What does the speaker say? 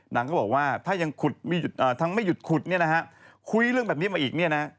นางก็บอกว่าถ้ายังทั้งไม่หยุดขุดคุยเรื่องแบบนี้มาอีก